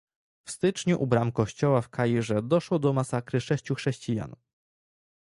W styczniu u bram kościoła w Kairze doszło do masakry sześciu chrześcijan